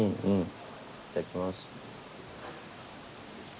うん。